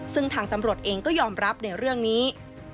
ซึ่งทางตำรวจเองก็ยอมรับในเรื่องนี้